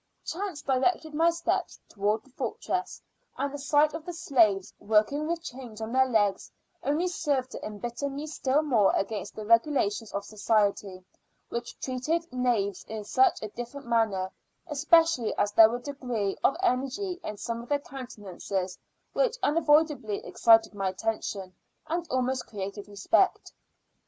Chance directed my steps towards the fortress, and the sight of the slaves, working with chains on their legs, only served to embitter me still more against the regulations of society, which treated knaves in such a different manner, especially as there was a degree of energy in some of their countenances which unavoidably excited my attention, and almost created respect.